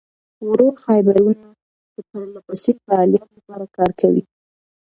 ورو فایبرونه د پرلهپسې فعالیت لپاره کار کوي.